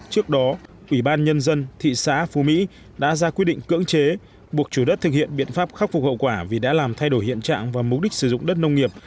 trước đó ủy ban nhân dân thị xã phú mỹ đã ra quyết định cưỡng chế buộc chủ đất thực hiện biện pháp khắc phục hậu quả vì đã làm thay đổi hiện trạng và mục đích sử dụng đất nông nghiệp